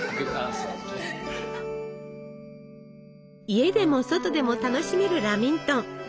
家でも外でも楽しめるラミントン。